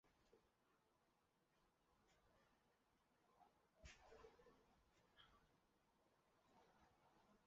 本次日偏食可在南极洲靠近澳大利亚的一部分看到。